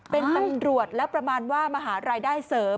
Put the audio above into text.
เป็นตำรวจแล้วประมาณว่ามาหารายได้เสริม